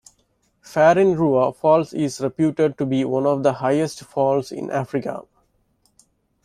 Farin Ruwa falls is reputed to be one of the highest falls in Africa.